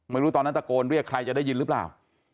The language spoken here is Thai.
ไม่รู้ตอนนั้นตะโกนเรียกใครจะได้ยินหรือเปล่า